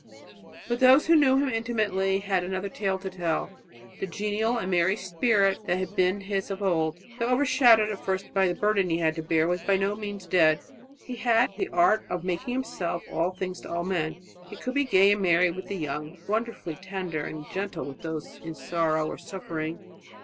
But those who knew him intimately had another tale to tell. The genial and merry spirit that had been his of old, though overshadowed at first by the burden he had to bear, was by no means dead. He had the art of making himself all things to all men; he could be gay and merry with the young, wonderfully tender and gentle with those in sorrow or suffering.